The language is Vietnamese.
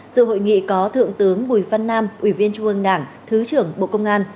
dự hội nghị có thượng tướng bùi văn nam ủy viên trung ương đảng thứ trưởng bộ công an